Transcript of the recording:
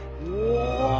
お。